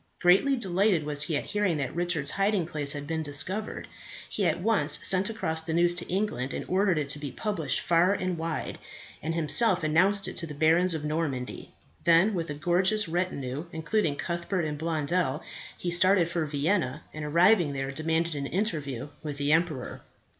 Greatly delighted was he at hearing that Richard's hiding place had been discovered. He at once sent across the news to England, and ordered it to be published far and wide, and himself announced it to the barons of Normandy. Then with a gorgeous retinue, including Cuthbert and Blondel, he started for Vienna, and arriving there demanded an interview with the emperor.